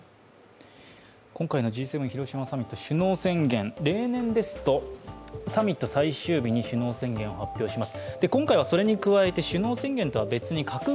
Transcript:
今回のＧ７広島サミット、首脳宣言、例年ですとサミット最終日に首脳宣言を発表します。